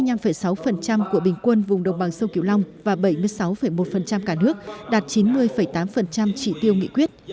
lĩnh vực bình quân vùng đồng bằng sông kiểu long và bảy mươi sáu một cả nước đạt chín mươi tám trị tiêu nghị quyết